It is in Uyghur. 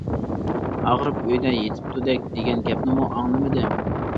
ئاغرىپ ئۆيدە يېتىپتۇدەك، دېگەن گەپنىمۇ ئاڭلىمىدىم.